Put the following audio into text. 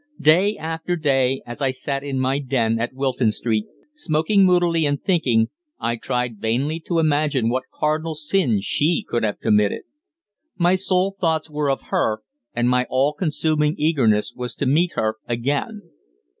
Day after day, as I sat in my den at Wilton Street smoking moodily and thinking, I tried vainly to imagine what cardinal sin she could have committed. My sole thoughts were of her, and my all consuming eagerness was to meet her again.